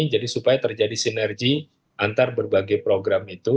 jadi supaya terjadi sinergi antar berbagai program itu